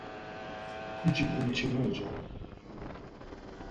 Puci imçinocen.